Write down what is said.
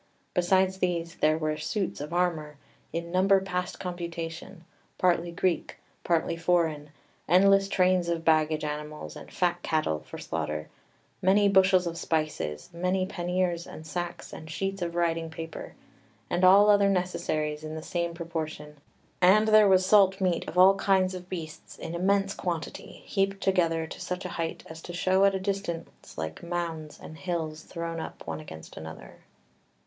Besides these there were suits of armour in number past computation, partly Greek, partly foreign, endless trains of baggage animals and fat cattle for slaughter, many bushels of spices, many panniers and sacks and sheets of writing paper; and all other necessaries in the same proportion. And there was salt meat of all kinds of beasts in immense quantity, heaped together to such a height as to show at a distance like mounds and hills thrown up one against another."